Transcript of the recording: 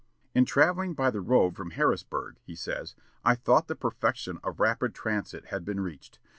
"In travelling by the road from Harrisburg," he says, "I thought the perfection of rapid transit had been reached.